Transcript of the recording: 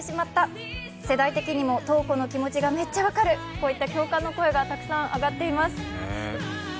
こういった共感の声がたくさん上がっています。